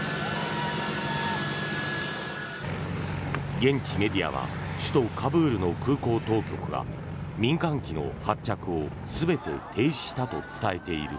現地メディアは首都カブールの空港当局が民間機の発着を全て停止したと伝えている。